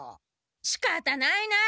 しかたないな。